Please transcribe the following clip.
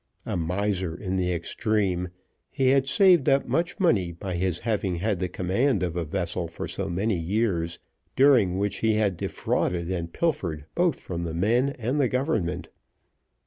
A miser in the extreme, he had saved up much money by his having had the command of a vessel for so many years, during which he had defrauded and pilfered both from the men and the government.